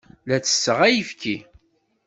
La ttesseɣ ayefki.